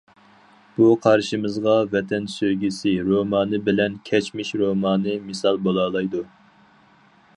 بۇ قارىشىمىزغا‹‹ ۋەتەن سۆيگۈسى›› رومانى بىلەن‹‹ كەچمىش›› رومانى مىسال بولالايدۇ.